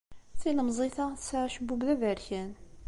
Tilemẓit-a tesɛa acebbub d aberkan.